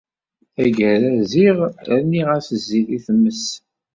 Taggara ziɣ rniɣ-as zzit i tmess.